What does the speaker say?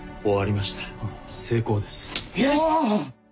お！